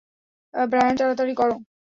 Brian, তাড়াতাড়ি করো!